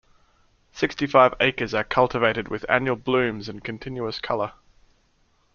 Sixty-five acres are cultivated with annual blooms and continuous color.